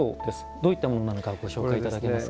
どういったものなのかご紹介いただけますか。